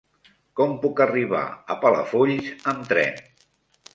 Com puc arribar a Palafolls amb tren?